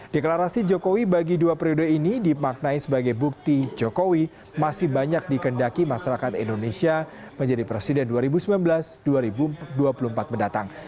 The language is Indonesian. deklarasi jokowi bagi dua periode ini dimaknai sebagai bukti jokowi masih banyak dikendaki masyarakat indonesia menjadi presiden dua ribu sembilan belas dua ribu dua puluh empat mendatang